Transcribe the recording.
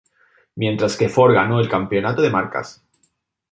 Mientras que Ford ganó el campeonato de marcas.